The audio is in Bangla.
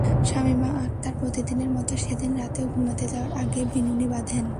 শামীমা আকতার প্রতিদিনের মতো সেদিন রাতেও ঘুমাতে যাওয়ার আগে বিনুনি বাঁধেন।